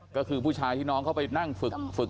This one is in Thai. ก็คือผู้ชายที่น้องเขาไปนั่งฝึกฝึก